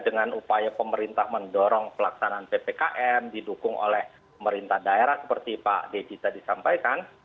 dengan upaya pemerintah mendorong pelaksanaan ppkm didukung oleh pemerintah daerah seperti pak desi tadi sampaikan